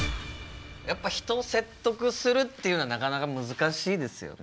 やっぱ人を説得するっていうのはなかなか難しいですよね。